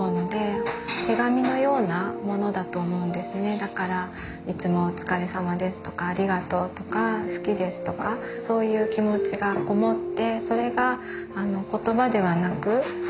だからいつも「お疲れさまです」とか「ありがとう」とか「好きです」とかそういう気持ちが込もって。